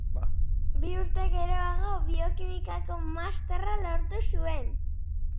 Bi urte geroago, biokimikako masterra lortu zuen.